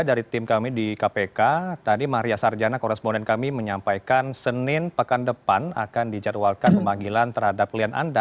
dari tim kami di kpk tadi maria sarjana koresponden kami menyampaikan senin pekan depan akan dijadwalkan pemanggilan terhadap klien anda